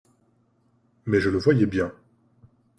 Mais je le voyais bien.